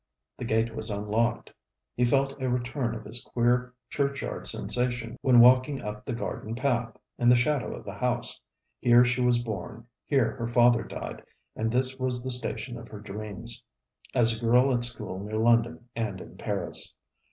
The gate was unlocked. He felt a return of his queer churchyard sensation when walking up the garden path, in the shadow of the house. Here she was born: here her father died: and this was the station of her dreams, as a girl at school near London and in Paris.